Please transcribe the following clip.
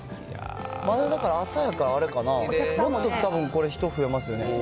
まだだから朝やから、あれかな、もっとたぶん人増えますよね。